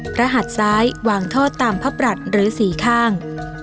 หัดซ้ายวางทอดตามพระปรัสหรือสี่ข้าง